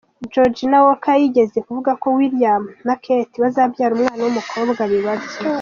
Georgina Walker yigeze kuvuga ko William na Kate bazabyara umwaka w’ umukobwa bibabyo.